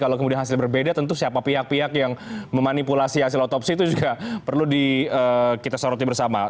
kalau kemudian hasilnya berbeda tentu siapa pihak pihak yang memanipulasi hasil otopsi itu juga perlu kita soroti bersama